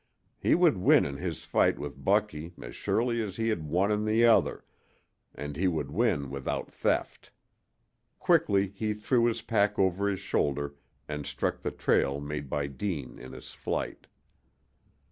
He would win in this fight with Bucky as surely as he had won in the other, and he would win without theft. Quickly he threw his pack over his shoulder and struck the trail made by Deane in his flight.